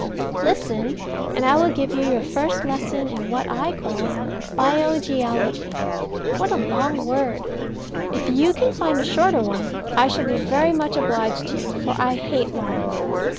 Listen, and I will give you your first lesson in what I call Bio geology. What a long word! If you can find a shorter one I shall be very much obliged to you, for I hate long words.